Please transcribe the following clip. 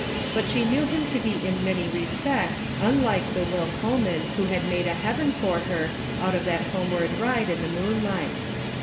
But she knew him to be in many respects unlike the Will Coleman who had made a heaven for her out of that homeward ride in the moonlight.